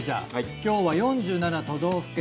今日は４７都道府県